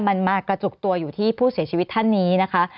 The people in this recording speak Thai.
มันมากระจุกตัวอยู่ที่ผู้เสียชีวิตท่านนี้นะคะ